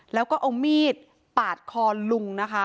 แล้วก็เอามีดปาดคอลุงนะคะ